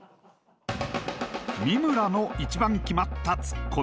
三村の一番決まったツッコミ。